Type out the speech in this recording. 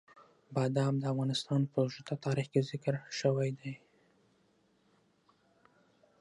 بادام د افغانستان په اوږده تاریخ کې ذکر شوی دی.